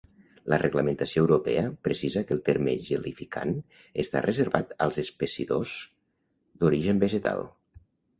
La reglamentació europea precisa que el terme gelificant està reservat als espessidors d'origen vegetal.